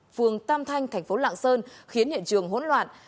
phường tam thanh tp lạng sơn khiến hiện trường hỗn loạn